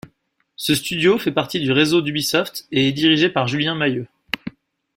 Ce studio fait partie du réseau d'Ubisoft et est dirigé par Julien Mayeux.